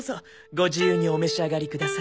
ご自由にお召し上がりください。